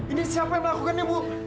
ini siapa yang melakukan ini ibu